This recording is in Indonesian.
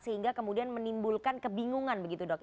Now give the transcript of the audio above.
sehingga kemudian menimbulkan kebingungan begitu dok